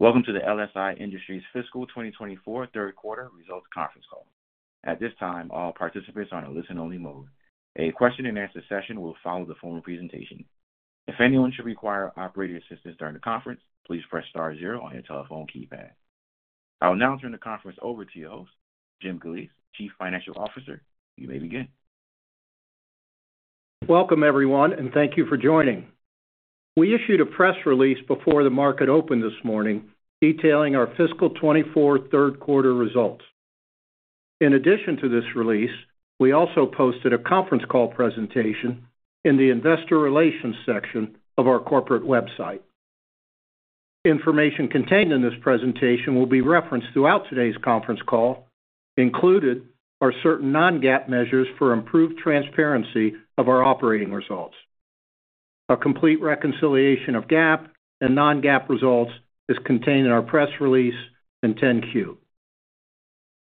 Welcome to the LSI Industries fiscal 2024 third quarter results conference call. At this time, all participants are in a listen-only mode. A question-and-answer session will follow the formal presentation. If anyone should require operator assistance during the conference, please press star zero on your telephone keypad. I will now turn the conference over to your host, Jim Galeese, Chief Financial Officer. You may begin. Welcome, everyone, and thank you for joining. We issued a press release before the market opened this morning detailing our fiscal 2024 third quarter results. In addition to this release, we also posted a conference call presentation in the Investor Relations section of our corporate website. Information contained in this presentation will be referenced throughout today's conference call, including our certain non-GAAP measures for improved transparency of our operating results. A complete reconciliation of GAAP and non-GAAP results is contained in our press release in 10-Q.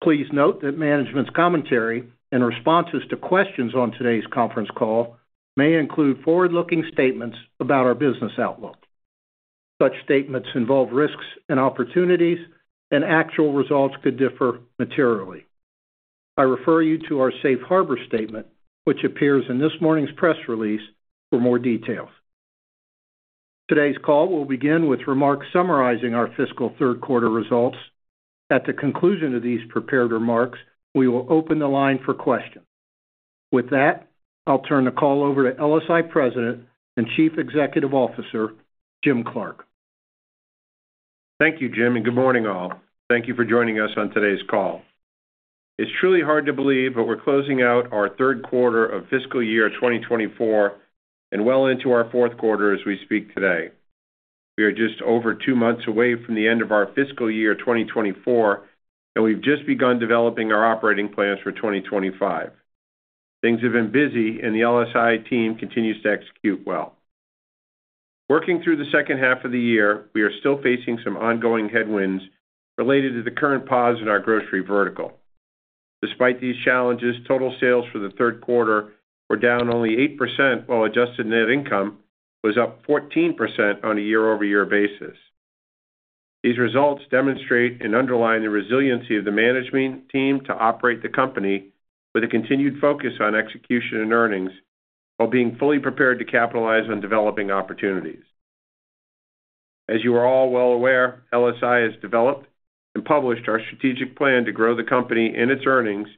Please note that management's commentary and responses to questions on today's conference call may include forward-looking statements about our business outlook. Such statements involve risks and opportunities, and actual results could differ materially. I refer you to our Safe Harbor statement, which appears in this morning's press release, for more details. Today's call will begin with remarks summarizing our fiscal 2024 third quarter results. At the conclusion of these prepared remarks, we will open the line for questions. With that, I'll turn the call over to LSI President and Chief Executive Officer Jim Clark. Thank you, Jim, and good morning all. Thank you for joining us on today's call. It's truly hard to believe, but we're closing out our third quarter of fiscal Year 2024 and well into our fourth quarter as we speak today. We are just over two months away from the end of our fiscal year 2024, and we've just begun developing our operating plans for 2025. Things have been busy, and the LSI team continues to execute well. Working through the second half of the year, we are still facing some ongoing headwinds related to the current pause in our grocery vertical. Despite these challenges, total sales for the third quarter were down only 8% while adjusted net income was up 14% on a year-over-year basis. These results demonstrate and underline the resiliency of the management team to operate the company with a continued focus on execution and earnings while being fully prepared to capitalize on developing opportunities. As you are all well aware, LSI has developed and published our strategic plan to grow the company in its earnings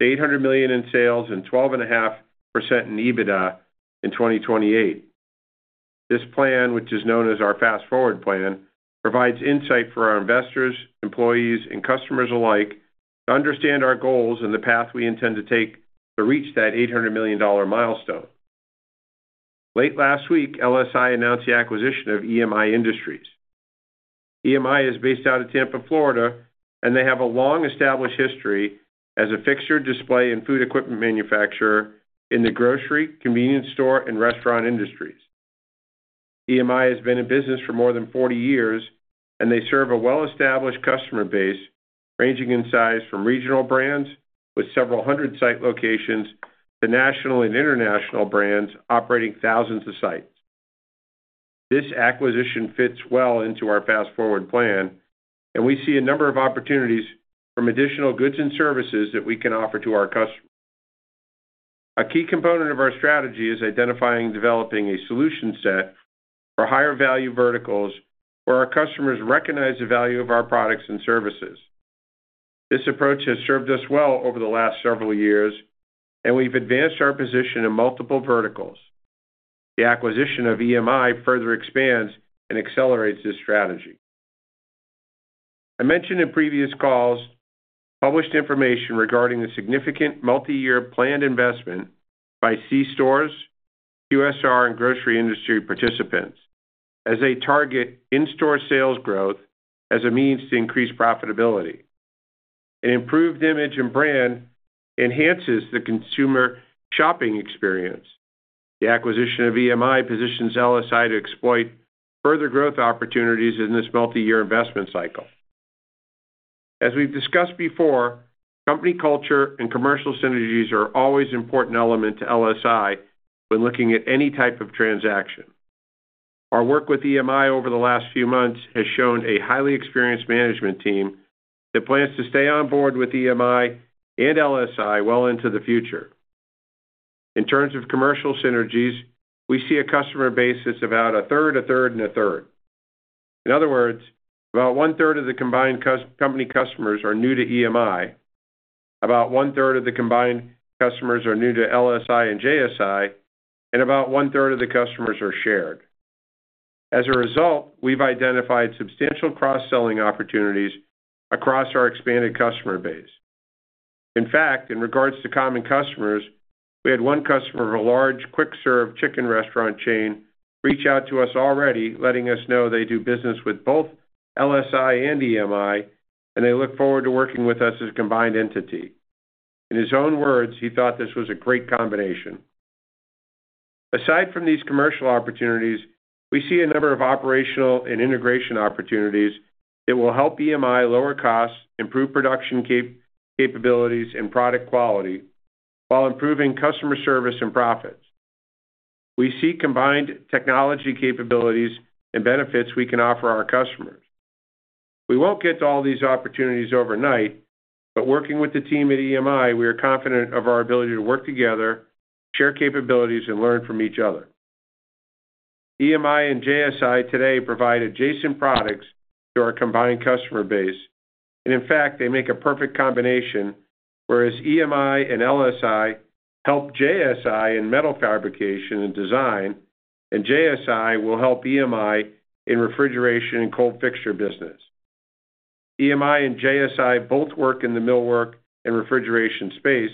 to $800 million in sales and 12.5% in EBITDA in 2028. This plan, which is known as our Fast Forward Plan, provides insight for our investors, employees, and customers alike to understand our goals and the path we intend to take to reach that $800 million milestone. Late last week, LSI announced the acquisition of EMI Industries. EMI is based out of Tampa, Florida, and they have a long-established history as a fixture, display, and food equipment manufacturer in the grocery, convenience store, and restaurant industries. EMI has been in business for more than 40 years, and they serve a well-established customer base ranging in size from regional brands with several hundred site locations to national and international brands operating thousands of sites. This acquisition fits well into our Fast Forward Plan, and we see a number of opportunities from additional goods and services that we can offer to our customers. A key component of our strategy is identifying and developing a solution set for higher-value verticals where our customers recognize the value of our products and services. This approach has served us well over the last several years, and we've advanced our position in multiple verticals. The acquisition of EMI further expands and accelerates this strategy. I mentioned in previous calls published information regarding the significant multi-year planned investment by C-stores, QSR, and grocery industry participants as they target in-store sales growth as a means to increase profitability. An improved image and brand enhances the consumer shopping experience. The acquisition of EMI positions LSI to exploit further growth opportunities in this multi-year investment cycle. As we've discussed before, company culture and commercial synergies are always an important element to LSI when looking at any type of transaction. Our work with EMI over the last few months has shown a highly experienced management team that plans to stay on board with EMI and LSI well into the future. In terms of commercial synergies, we see a customer base that's about a third, a third, and a third. In other words, about one-third of the combined company customers are new to EMI, about one-third of the combined customers are new to LSI and JSI, and about one-third of the customers are shared. As a result, we've identified substantial cross-selling opportunities across our expanded customer base. In fact, in regards to common customers, we had one customer of a large quick-serve chicken restaurant chain reach out to us already, letting us know they do business with both LSI and EMI, and they look forward to working with us as a combined entity. In his own words, he thought this was a great combination. Aside from these commercial opportunities, we see a number of operational and integration opportunities that will help EMI lower costs, improve production capabilities, and product quality while improving customer service and profits. We see combined technology capabilities and benefits we can offer our customers. We won't get to all these opportunities overnight, but working with the team at EMI, we are confident of our ability to work together, share capabilities, and learn from each other. EMI and JSI today provide adjacent products to our combined customer base, and in fact, they make a perfect combination, whereas EMI and LSI help JSI in metal fabrication and design, and JSI will help EMI in refrigeration and cold fixture business. EMI and JSI both work in the millwork and refrigeration space,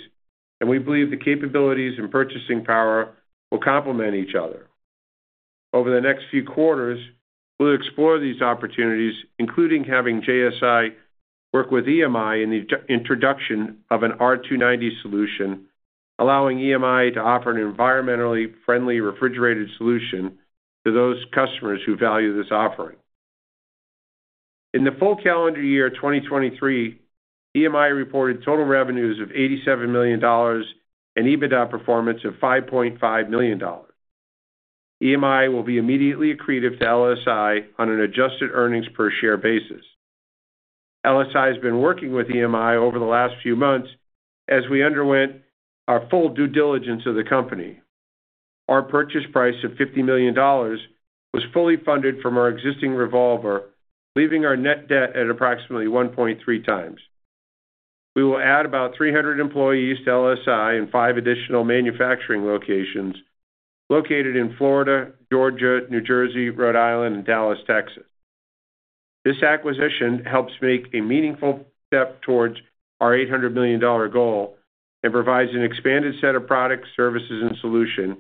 and we believe the capabilities and purchasing power will complement each other. Over the next few quarters, we'll explore these opportunities, including having JSI work with EMI in the introduction of an R290 solution, allowing EMI to offer an environmentally friendly refrigerated solution to those customers who value this offering. In the full calendar year 2023, EMI reported total revenues of $87 million and EBITDA performance of $5.5 million. EMI will be immediately accretive to LSI on an adjusted earnings per share basis. LSI has been working with EMI over the last few months as we underwent our full due diligence of the company. Our purchase price of $50 million was fully funded from our existing revolver, leaving our net debt at approximately 1.3 times. We will add about 300 employees to LSI and five additional manufacturing locations located in Florida, Georgia, New Jersey, Rhode Island, and Dallas, Texas. This acquisition helps make a meaningful step towards our $800 million goal and provides an expanded set of products, services, and solutions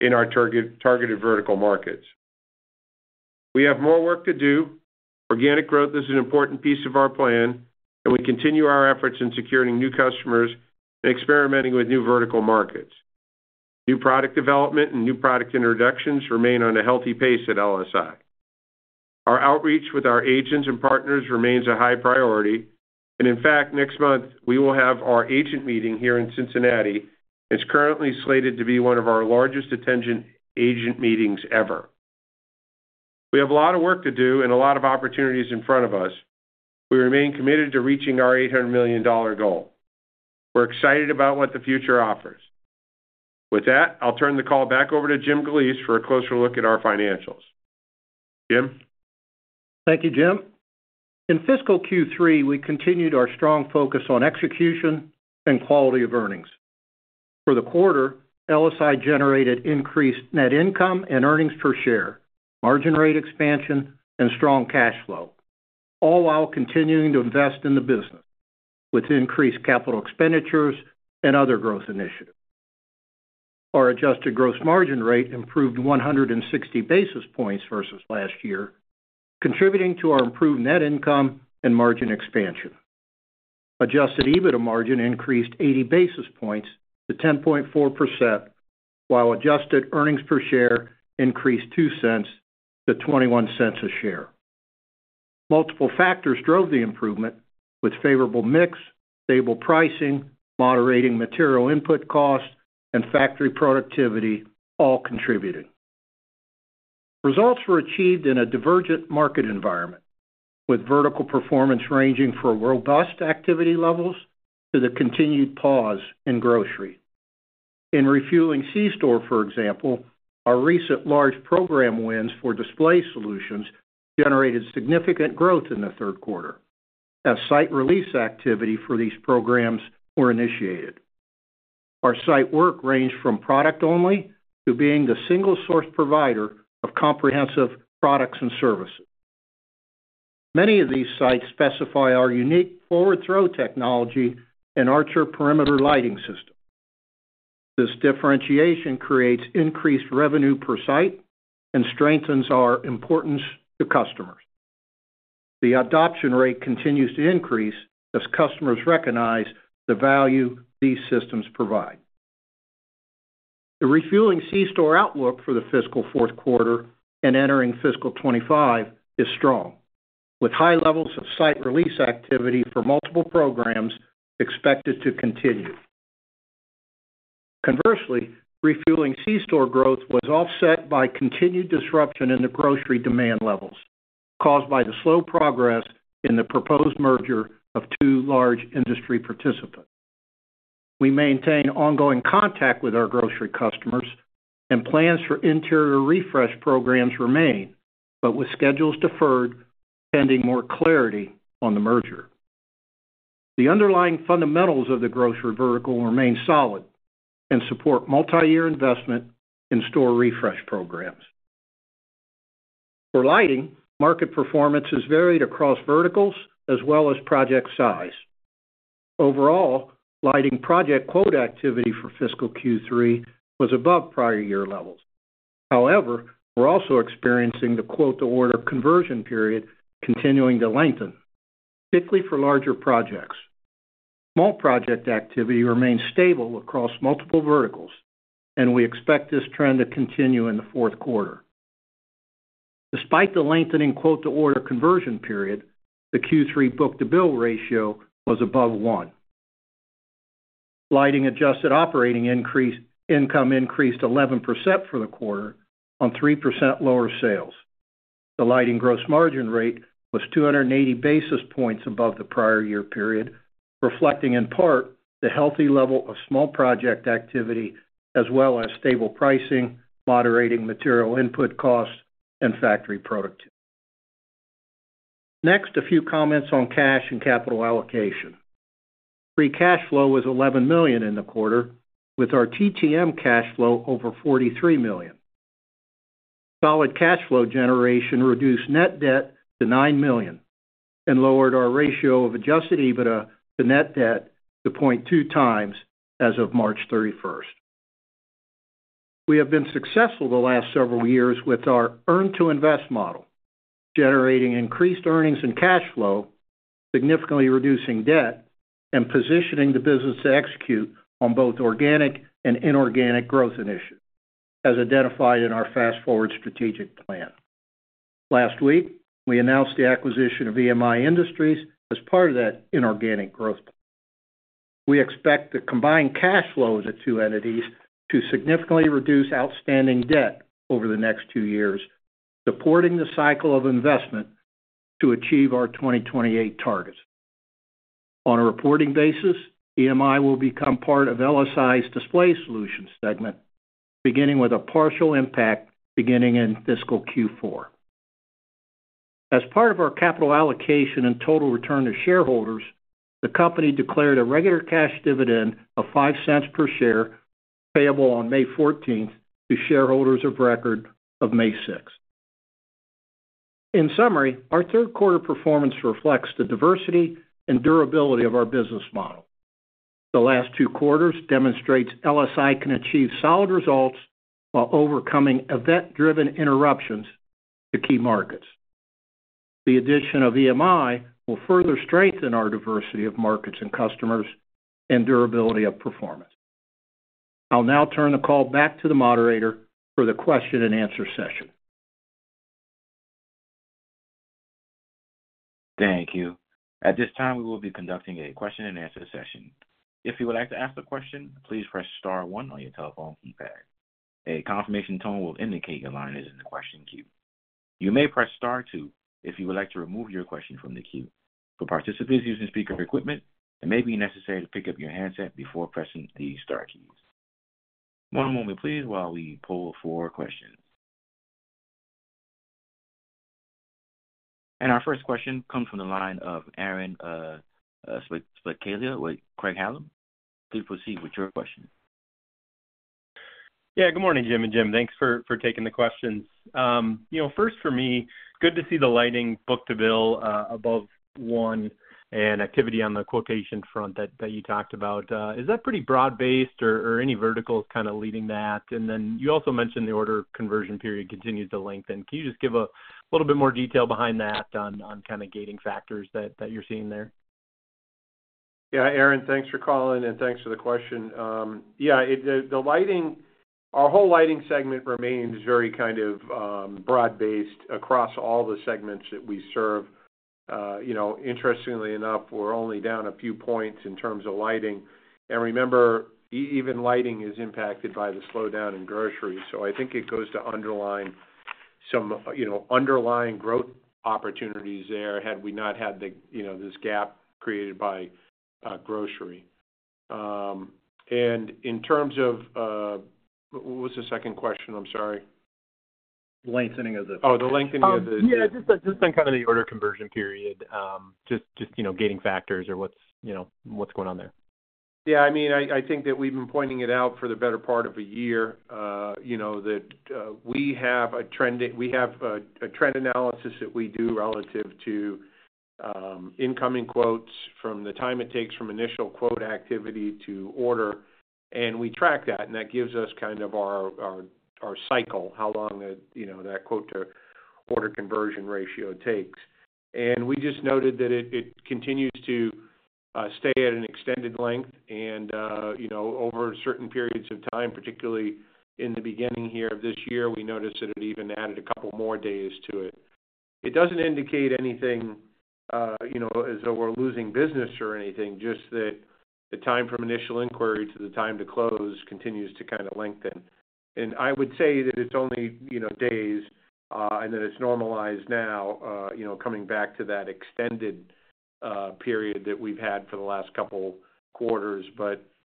in our targeted vertical markets. We have more work to do. Organic growth is an important piece of our plan, and we continue our efforts in securing new customers and experimenting with new vertical markets. New product development and new product introductions remain on a healthy pace at LSI. Our outreach with our agents and partners remains a high priority, and in fact, next month we will have our agent meeting here in Cincinnati, and it's currently slated to be one of our largest attended agent meetings ever. We have a lot of work to do and a lot of opportunities in front of us. We remain committed to reaching our $800 million goal. We're excited about what the future offers. With that, I'll turn the call back over to Jim Galeese for a closer look at our financials. Jim? Thank you, Jim. In fiscal Q3, we continued our strong focus on execution and quality of earnings. For the quarter, LSI generated increased net income and earnings per share, margin rate expansion, and strong cash flow, all while continuing to invest in the business with increased capital expenditures and other growth initiatives. Our adjusted gross margin rate improved 160 basis points versus last year, contributing to our improved net income and margin expansion. Adjusted EBITDA margin increased 80 basis points to 10.4%, while adjusted earnings per share increased $0.02 to $0.21 a share. Multiple factors drove the improvement, with favorable mix, stable pricing, moderating material input costs, and factory productivity all contributing. Results were achieved in a divergent market environment, with vertical performance ranging from robust activity levels to the continued pause in grocery. In refueling C-store, for example, our recent large program wins for display solutions generated significant growth in the third quarter as site release activity for these programs were initiated. Our site work ranged from product-only to being the single-source provider of comprehensive products and services. Many of these sites specify our unique Forward Throw technology and Archer perimeter lighting system. This differentiation creates increased revenue per site and strengthens our importance to customers. The adoption rate continues to increase as customers recognize the value these systems provide. The refueling C-store outlook for the fiscal fourth quarter and entering fiscal 2025 is strong, with high levels of site release activity for multiple programs expected to continue. Conversely, refueling C-store growth was offset by continued disruption in the grocery demand levels caused by the slow progress in the proposed merger of two large industry participants. We maintain ongoing contact with our grocery customers, and plans for interior refresh programs remain, but with schedules deferred pending more clarity on the merger. The underlying fundamentals of the grocery vertical remain solid and support multi-year investment in store refresh programs. For lighting, market performance has varied across verticals as well as project size. Overall, lighting project quote activity for fiscal Q3 was above prior year levels. However, we're also experiencing the quote-to-order conversion period continuing to lengthen, particularly for larger projects. Small project activity remains stable across multiple verticals, and we expect this trend to continue in the fourth quarter. Despite the lengthening quote-to-order conversion period, the Q3 book-to-bill ratio was above one. Lighting adjusted operating income increased 11% for the quarter on 3% lower sales. The lighting gross margin rate was 280 basis points above the prior year period, reflecting in part the healthy level of small project activity as well as stable pricing, moderating material input costs, and factory productivity. Next, a few comments on cash and capital allocation. Free cash flow was $11 million in the quarter, with our TTM cash flow over $43 million. Solid cash flow generation reduced net debt to $9 million and lowered our ratio of adjusted EBITDA to net debt to 0.2 times as of March 31st. We have been successful the last several years with our earn-to-invest model, generating increased earnings and cash flow, significantly reducing debt, and positioning the business to execute on both organic and inorganic growth initiatives, as identified in our Fast Forward Strategic Plan. Last week, we announced the acquisition of EMI Industries as part of that inorganic growth plan. We expect the combined cash flows of the two entities to significantly reduce outstanding debt over the next two years, supporting the cycle of investment to achieve our 2028 targets. On a reporting basis, EMI will become part of LSI's display solutions segment, beginning with a partial impact beginning in fiscal Q4. As part of our capital allocation and total return to shareholders, the company declared a regular cash dividend of $0.05 per share payable on May 14th to shareholders of record of May 6th. In summary, our third quarter performance reflects the diversity and durability of our business model. The last two quarters demonstrate LSI can achieve solid results while overcoming event-driven interruptions to key markets. The addition of EMI will further strengthen our diversity of markets and customers and durability of performance. I'll now turn the call back to the moderator for the question-and-answer session. Thank you. At this time, we will be conducting a question-and-answer session. If you would like to ask a question, please press star one on your telephone keypad. A confirmation tone will indicate your line is in the question queue. You may press star two if you would like to remove your question from the queue. For participants using speaker equipment, it may be necessary to pick up your handset before pressing the star keys. One moment, please, while we pull four questions. Our first question comes from the line of Aaron Spychalla with Craig-Hallum. Please proceed with your question. Yeah. Good morning, Jim. And Jim, thanks for taking the questions. First, for me, good to see the lighting book-to-bill above one and activity on the quotation front that you talked about. Is that pretty broad-based, or any verticals kind of leading that? And then you also mentioned the order conversion period continues to lengthen. Can you just give a little bit more detail behind that on kind of gating factors that you're seeing there? Yeah. Aaron, thanks for calling, and thanks for the question. Yeah. Our whole lighting segment remains very kind of broad-based across all the segments that we serve. Interestingly enough, we're only down a few points in terms of lighting. And remember, even lighting is impacted by the slowdown in grocery. So I think it goes to underline some underlying growth opportunities there had we not had this gap created by grocery. And in terms of what was the second question? I'm sorry. The lengthening of the. Oh, the lengthening of the. Oh, yeah. Just on kind of the order conversion period, just gating factors or what's going on there? Yeah. I mean, I think that we've been pointing it out for the better part of a year, that we have a trend analysis that we do relative to incoming quotes from the time it takes from initial quote activity to order. And we track that, and that gives us kind of our cycle, how long that quote-to-order conversion ratio takes. And we just noted that it continues to stay at an extended length. And over certain periods of time, particularly in the beginning here of this year, we noticed that it even added a couple more days to it. It doesn't indicate anything as though we're losing business or anything, just that the time from initial inquiry to the time to close continues to kind of lengthen. I would say that it's only days, and that it's normalized now, coming back to that extended period that we've had for the last couple quarters.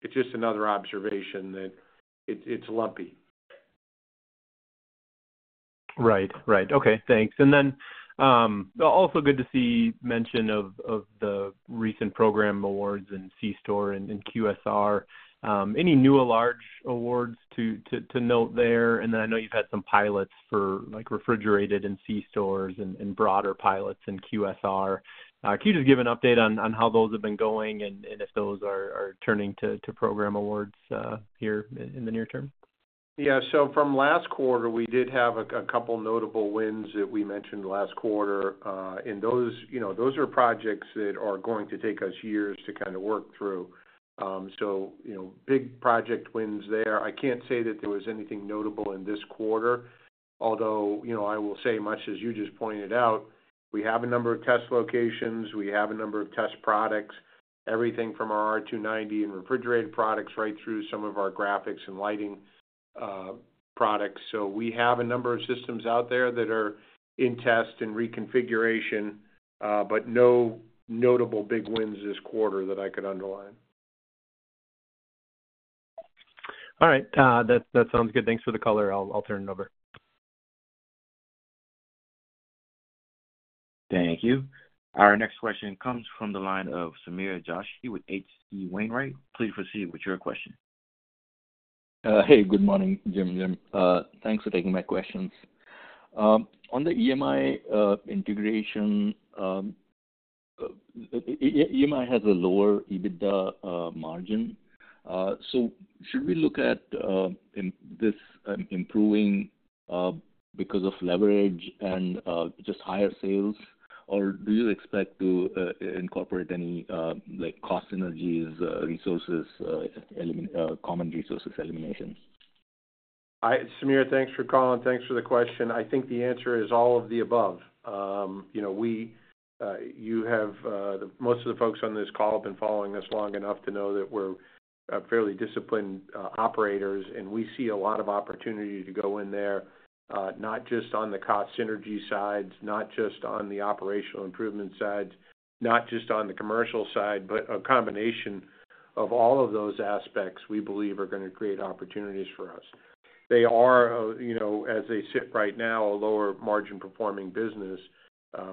It's just another observation that it's lumpy. Right. Right. Okay. Thanks. And then also good to see mention of the recent program awards in C-store and QSR. Any new program awards to note there? And then I know you've had some pilots for refrigerated in C-stores and broader pilots in QSR. Can you just give an update on how those have been going and if those are turning to program awards here in the near term? Yeah. So from last quarter, we did have a couple notable wins that we mentioned last quarter. And those are projects that are going to take us years to kind of work through. So big project wins there. I can't say that there was anything notable in this quarter, although I will say, much as you just pointed out, we have a number of test locations. We have a number of test products, everything from our R290 and refrigerated products right through some of our graphics and lighting products. So we have a number of systems out there that are in test and reconfiguration, but no notable big wins this quarter that I could underline. All right. That sounds good. Thanks for the color. I'll turn it over. Thank you. Our next question comes from the line of Sameer Joshi with H.C. Wainwright. Please proceed with your question. Hey. Good morning, Jim. Jim. Thanks for taking my questions. On the EMI integration, EMI has a lower EBITDA margin. So should we look at this improving because of leverage and just higher sales, or do you expect to incorporate any cost synergies, common resources eliminations? Sameer, thanks for calling. Thanks for the question. I think the answer is all of the above. You have most of the folks on this call have been following us long enough to know that we're fairly disciplined operators. We see a lot of opportunity to go in there, not just on the cost synergy sides, not just on the operational improvement sides, not just on the commercial side, but a combination of all of those aspects we believe are going to create opportunities for us. They are, as they sit right now, a lower-margin performing business,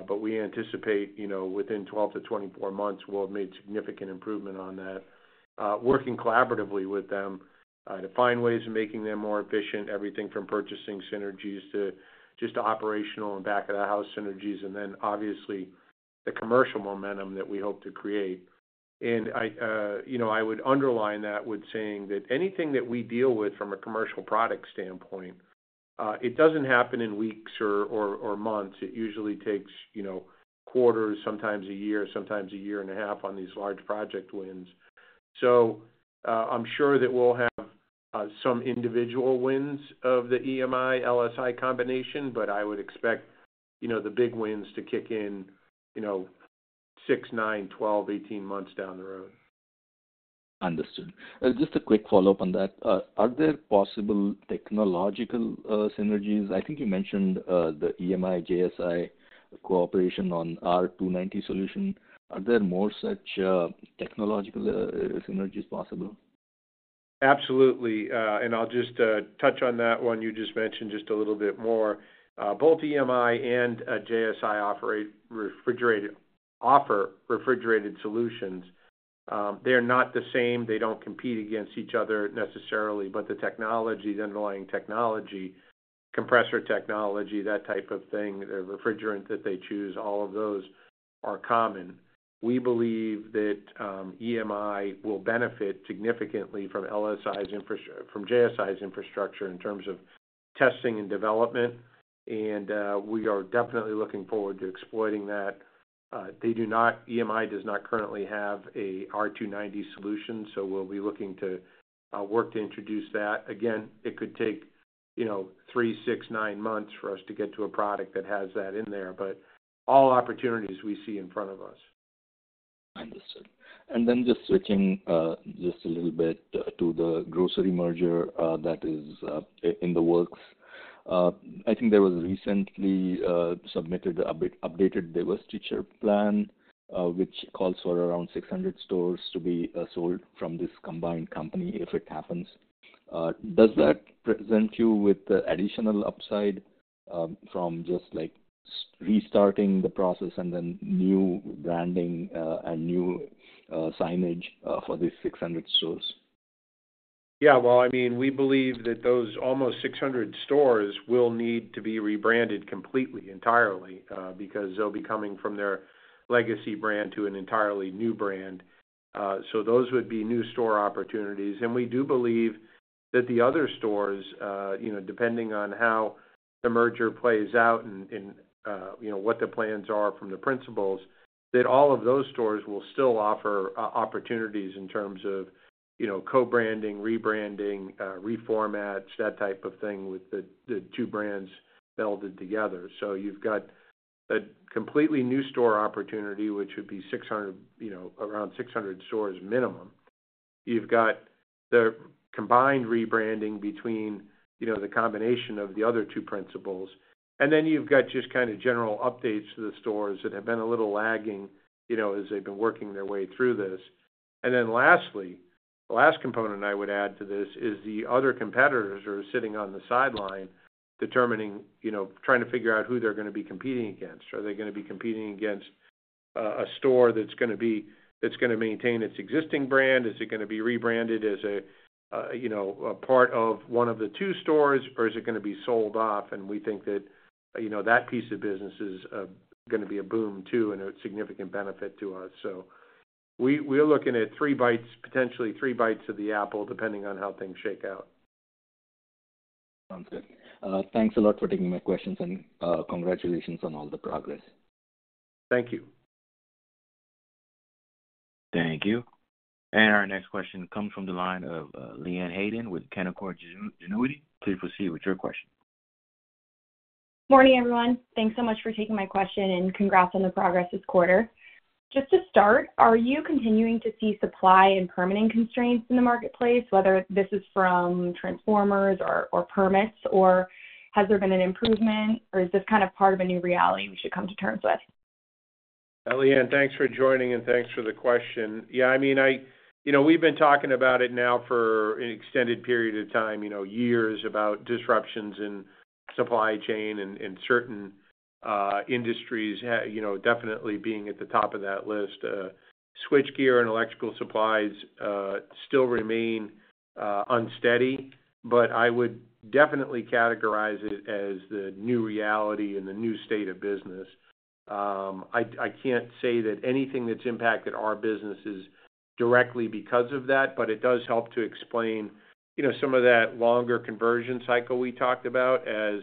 but we anticipate within 12-24 months, we'll have made significant improvement on that, working collaboratively with them to find ways of making them more efficient, everything from purchasing synergies to just operational and back-of-the-house synergies, and then obviously the commercial momentum that we hope to create. I would underline that with saying that anything that we deal with from a commercial product standpoint, it doesn't happen in weeks or months. It usually takes quarters, sometimes a year, sometimes a year and a half on these large project wins. I'm sure that we'll have some individual wins of the EMI-LSI combination, but I would expect the big wins to kick in six, nine, 12, 18 months down the road. Understood. Just a quick follow-up on that. Are there possible technological synergies? I think you mentioned the EMI-JSI cooperation on R290 solution. Are there more such technological synergies possible? Absolutely. I'll just touch on that one you just mentioned just a little bit more. Both EMI and JSI offer refrigerated solutions. They're not the same. They don't compete against each other necessarily, but the underlying technology, compressor technology, that type of thing, the refrigerant that they choose, all of those are common. We believe that EMI will benefit significantly from JSI's infrastructure in terms of testing and development, and we are definitely looking forward to exploiting that. EMI does not currently have an R290 solution, so we'll be looking to work to introduce that. Again, it could take three, six, nine months for us to get to a product that has that in there, but all opportunities we see in front of us. Understood. Then just switching just a little bit to the grocery merger that is in the works. I think there was recently submitted an updated divestiture plan, which calls for around 600 stores to be sold from this combined company if it happens. Does that present you with additional upside from just restarting the process and then new branding and new signage for these 600 stores? Yeah. Well, I mean, we believe that those almost 600 stores will need to be rebranded completely, entirely, because they'll be coming from their legacy brand to an entirely new brand. So those would be new store opportunities. And we do believe that the other stores, depending on how the merger plays out and what the plans are from the principals, that all of those stores will still offer opportunities in terms of co-branding, rebranding, reformats, that type of thing with the two brands melded together. So you've got a completely new store opportunity, which would be around 600 stores minimum. You've got the combined rebranding between the combination of the other two principals. And then you've got just kind of general updates to the stores that have been a little lagging as they've been working their way through this. And then lastly, the last component I would add to this is the other competitors who are sitting on the sidelines trying to figure out who they're going to be competing against. Are they going to be competing against a store that's going to maintain its existing brand? Is it going to be rebranded as a part of one of the two stores, or is it going to be sold off? And we think that that piece of business is going to be a boom too and a significant benefit to us. So we're looking at potentially three bites of the apple, depending on how things shake out. Sounds good. Thanks a lot for taking my questions, and congratulations on all the progress. Thank you. Thank you. Our next question comes from the line of Leanne Hayden with Canaccord Genuity. Please proceed with your question. Morning, everyone. Thanks so much for taking my question, and congrats on the progress this quarter. Just to start, are you continuing to see supply and permitting constraints in the marketplace, whether this is from transformers or permits, or has there been an improvement, or is this kind of part of a new reality we should come to terms with? Leanne, thanks for joining, and thanks for the question. Yeah. I mean, we've been talking about it now for an extended period of time, years, about disruptions in supply chain and certain industries definitely being at the top of that list. Switchgear and electrical supplies still remain unsteady, but I would definitely categorize it as the new reality and the new state of business. I can't say that anything that's impacted our business is directly because of that, but it does help to explain some of that longer conversion cycle we talked about as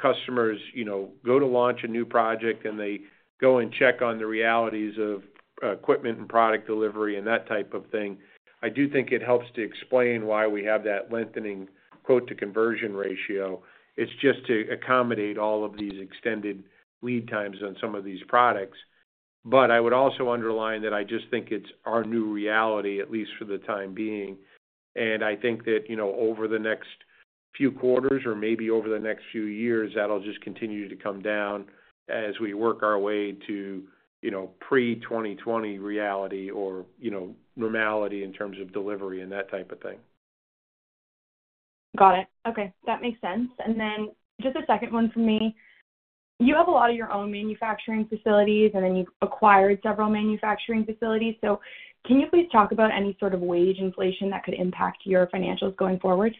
customers go to launch a new project, and they go and check on the realities of equipment and product delivery and that type of thing. I do think it helps to explain why we have that lengthening quote-to-conversion ratio. It's just to accommodate all of these extended lead times on some of these products. I would also underline that I just think it's our new reality, at least for the time being. I think that over the next few quarters or maybe over the next few years, that'll just continue to come down as we work our way to pre-2020 reality or normality in terms of delivery and that type of thing. Got it. Okay. That makes sense. And then just a second one from me. You have a lot of your own manufacturing facilities, and then you've acquired several manufacturing facilities. So can you please talk about any sort of wage inflation that could impact your financials going forward?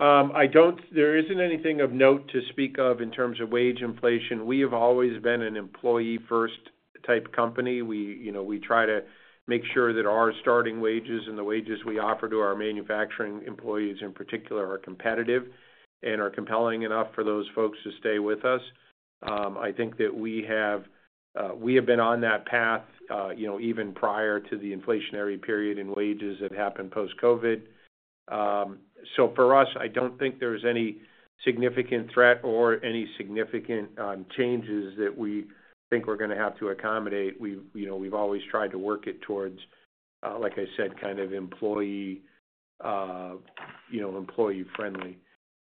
There isn't anything of note to speak of in terms of wage inflation. We have always been an employee-first type company. We try to make sure that our starting wages and the wages we offer to our manufacturing employees, in particular, are competitive and are compelling enough for those folks to stay with us. I think that we have been on that path even prior to the inflationary period and wages that happened post-COVID. So for us, I don't think there's any significant threat or any significant changes that we think we're going to have to accommodate. We've always tried to work it towards, like I said, kind of employee-friendly.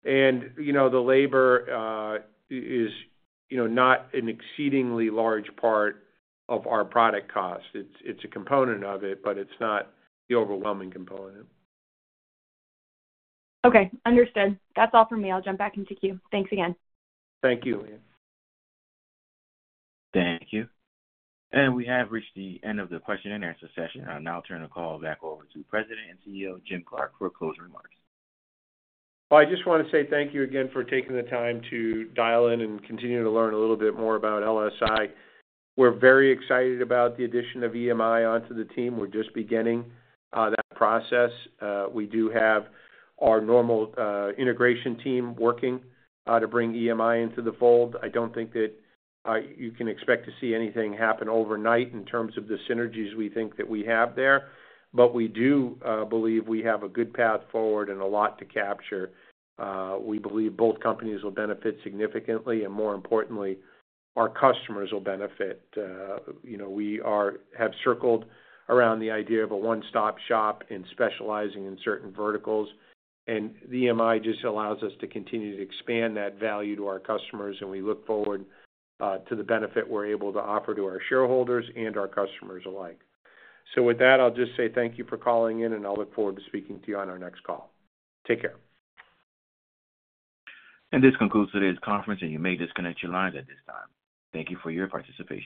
And the labor is not an exceedingly large part of our product cost. It's a component of it, but it's not the overwhelming component. Okay. Understood. That's all from me. I'll jump back into queue. Thanks again. Thank you, Leanne. Thank you. We have reached the end of the question-and-answer session. I'll now turn the call back over to President and CEO Jim Clark for closing remarks. Well, I just want to say thank you again for taking the time to dial in and continue to learn a little bit more about LSI. We're very excited about the addition of EMI onto the team. We're just beginning that process. We do have our normal integration team working to bring EMI into the fold. I don't think that you can expect to see anything happen overnight in terms of the synergies we think that we have there, but we do believe we have a good path forward and a lot to capture. We believe both companies will benefit significantly, and more importantly, our customers will benefit. We have circled around the idea of a one-stop shop in specializing in certain verticals, and the EMI just allows us to continue to expand that value to our customers, and we look forward to the benefit we're able to offer to our shareholders and our customers alike. So with that, I'll just say thank you for calling in, and I'll look forward to speaking to you on our next call. Take care. This concludes today's conference, and you may disconnect your lines at this time. Thank you for your participation.